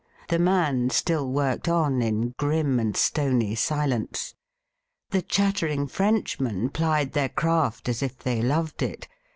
The man still worked on in grim and stony silence. The chattering Frenchmen plied their craft as if they loved it.